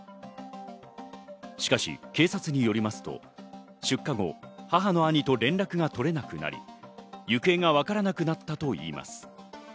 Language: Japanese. しかし警察によりますと、出火後、母の兄と連絡が取れなくなり、行方がわからなくなったといいます。